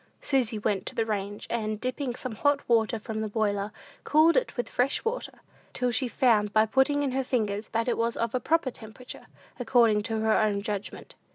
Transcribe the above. Susy went to the range, and, dipping some hot water from the boiler, cooled it with fresh water, till she found, by putting in her fingers, that it was of a proper temperature, according to her own judgment.